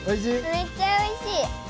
めっちゃおいしい！